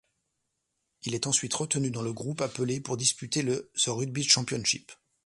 Il est ensuite retenu dans le groupe appelé pour disputer le The Rugby Championship.